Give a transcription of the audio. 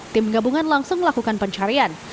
tim gabungan langsung melakukan pencarian